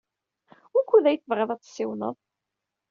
Wukud ay tebɣiḍ ad tessiwleḍ?